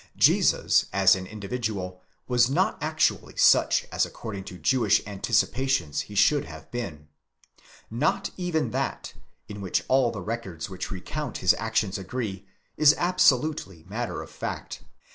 Jesus as an individual was not actually such as according to Jewish anticipations he should have been. Not even that, in which all the records which recount his actions agree, is absolutely matter of fact.